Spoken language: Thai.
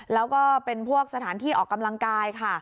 แล้วก็เป็นพวกสถานที่ออกกำลังกายค่ะ